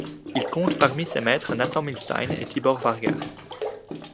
Il compte parmi ses maîtres Nathan Milstein et Tibor Varga.